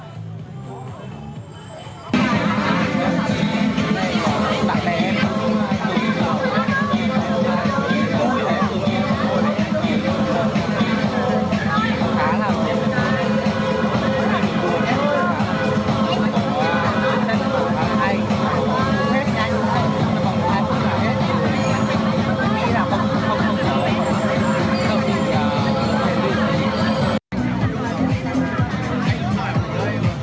nhiều bạn trẻ cho rằng hít bóng cười là thể hiện đẳng cấp của một dân chơi và nó không gây độc hại